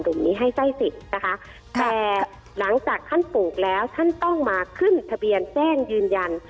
นี้ให้ไส้สิทธิ์นะคะแต่หลังจากท่านปลูกแล้วท่านต้องมาขึ้นทะเบียนแจ้งยืนยัน